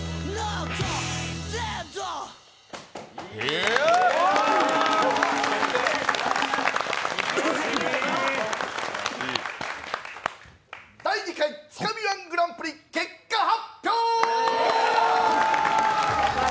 優勝者は第２回つかみ−１グランプリ結果発表！